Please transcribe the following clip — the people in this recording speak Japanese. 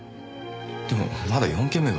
でもまだ４件目が。